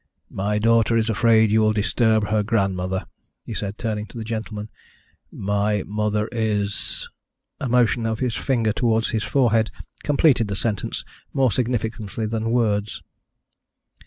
My daughter is afraid you will disturb her grandmother," he said turning to the gentlemen. "My mother is " A motion of his finger towards his forehead completed the sentence more significantly than words.